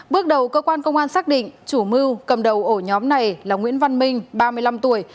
bước đầu cơ quan công an xác định chủ mưu cầm đầu ổ nhóm này là nguyễn văn minh ba mươi năm tuổi